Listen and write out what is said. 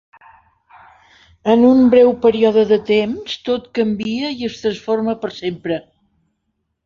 En un breu període de temps tot canvia i es transforma per sempre.